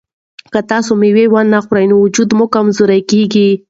که تاسي مېوه ونه خورئ نو وجود مو کمزوری کیږي.